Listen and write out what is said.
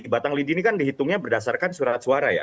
batang lidi ini kan dihitungnya berdasarkan surat suara ya